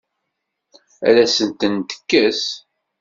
Ad asen-ten-tekkes?